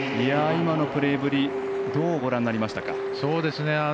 今のプレーぶりどうご覧になりましたか。